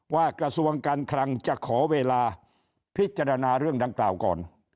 กระทรวงการคลังจะขอเวลาพิจารณาเรื่องดังกล่าวก่อน